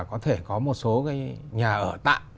có thể có một số cái nhà ở tạm